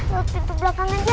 lewat pintu belakang aja